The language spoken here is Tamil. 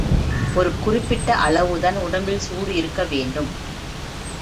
ஒரு குறிப்பிட்ட அளவு தான் உடம்பில் சூடு இருக்க வேண்டும்.